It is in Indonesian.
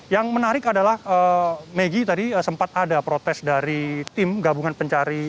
yang menarik adalah megi tadi sempat ada protes dari tim gabungan pencari